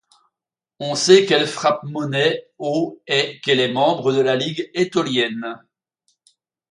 On sait qu'elle frappe monnaie au et qu'elle est membre de la Ligue étolienne.